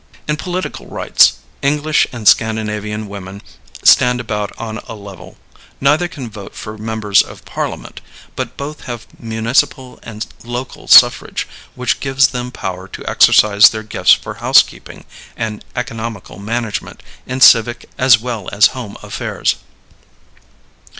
In political rights English and Scandinavian women stand about on a level. Neither can vote for members of Parliament, but both have municipal and local suffrage, which gives them power to exercise their gifts for housekeeping and economical management in civic as well as home affairs.